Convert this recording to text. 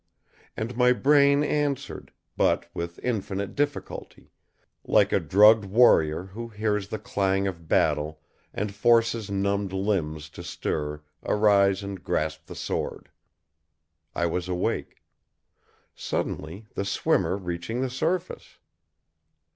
And my brain answered, but with infinite difficulty; like a drugged warrior who hears the clang of battle and forces numbed limbs to stir, arise and grasp the sword. I was awake. Suddenly; the swimmer reaching the surface!